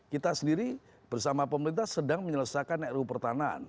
kita sendiri bersama pemerintah sedang menyelesaikan ruu pertanaan